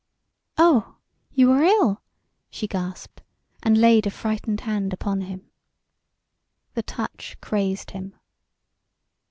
"Oh you are ill?" she gasped, and laid a frightened hand upon him. The touch crazed him.